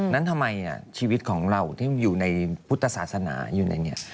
นั้นทำไมชีวิตของเราที่อยู่ในพุทธศาสนาอยู่ในนี้